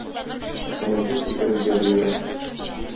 Командир сикерергә боера.